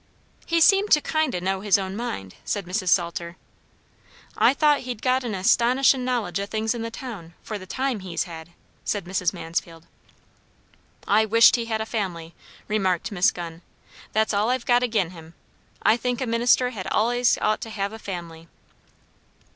"He seemed to kind o' know his own mind," said Mrs. Salter. "I thought he'd got an astonishin' knowledge o' things in the town, for the time he's had," said Mrs. Mansfield. "I wisht he had a family," remarked Miss Gunn; "that's all I've got agin him. I think a minister had allays ought to have a family."